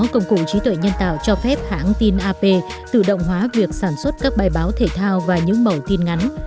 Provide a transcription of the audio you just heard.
công cụ trí tuệ nhân tạo cho phép hãng tin ap tự động hóa việc sản xuất các bài báo thể thao và những mẫu tin ngắn